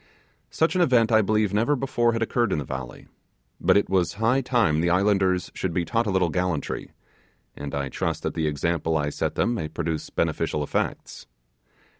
Such an event I believe never before had occurred in the valley; but it was high time the islanders should be taught a little gallantry, and I trust that the example I set them may produce beneficial effects.